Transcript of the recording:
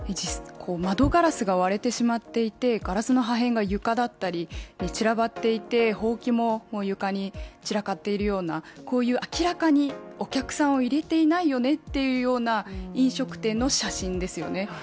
窓ガラスが割れてしまっていてガラスの破片が床だったりに散らばっていて、ホウキも床に散らかっているようなこういう明らかにお客さんを入れていないよねっていうような飲食店の写真ですよね。